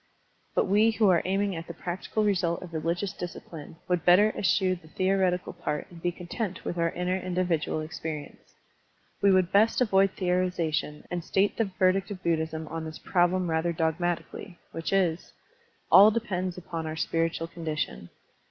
But we who are aiming at the practical Digitized by Google Il8 SERMONS OP A BUDDHIST ABBOT result of religious discipline would better eschew the theoretical part and be content with our inner individual experience. We would best avoid theorization and state the verdict of Buddhism on this problem rather dogmatically, which is: All depends upon our spiritual condition.